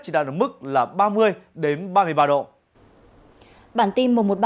chỉ đạt được mức là ba mươi ba mươi ba độ